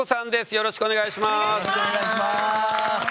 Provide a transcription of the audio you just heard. よろしくお願いします。